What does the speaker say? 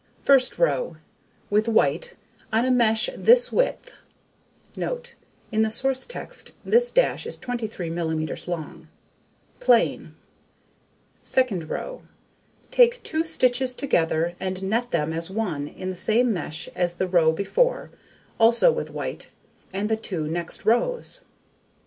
First row: With white, on a mesh this width , plain. Transcriber's note: in the source text, this dash is 23 millimeters long. Second row: Take 2 stitches together and net them as one on the same mesh as the row before, also with white, and the 2 next rows.